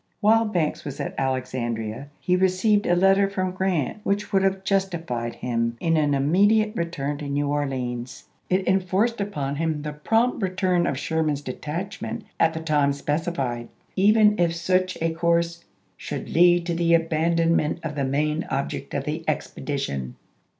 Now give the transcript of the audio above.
While Banks was at Alexandi'ia he received a letter from Grant which would have justified him in an immediate return to New Orleans. It en forced upon him the prompt return of Sherman's detachment at the time specified, even if such a course "should lead to the abandonment of the main object of the expedition."